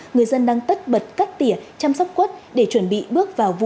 người dân đang tất bật cắt tỉa chăm sóc quốc để chuẩn bị bước vào vụ thu